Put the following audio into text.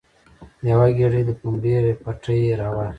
یوه ګېډۍ د پمبې پټی یې راواخیست.